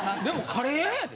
カレー屋やで？